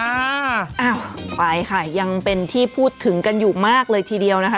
อ้าวไปค่ะยังเป็นที่พูดถึงกันอยู่มากเลยทีเดียวนะคะ